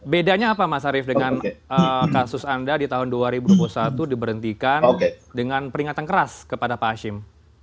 bedanya apa mas arief dengan kasus anda di tahun dua ribu dua puluh satu diberhentikan dengan peringatan keras kepada pak hashim